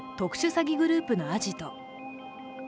詐欺グループのアジト。